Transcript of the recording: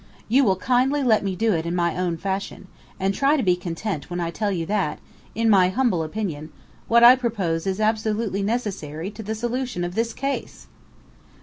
You will kindly let me do it in my own fashion, and try to be content when I tell you that, in my humble opinion, what I propose is absolutely necessary to the solution of this case!"